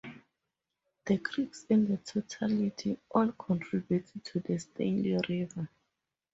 The creeks in the locality all contribute to the Stanley River.